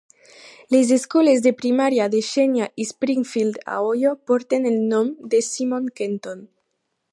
Les escoles de primària de Xenia i Springfield, a Ohio, porten el nom de Simon Kenton.